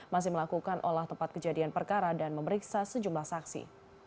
masih melakukan olah tempat kejadian perkara dan memeriksa sejumlah saksi